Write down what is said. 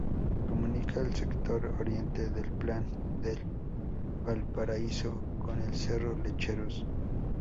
Comunica el sector oriente del plan de Valparaíso con el cerro Lecheros.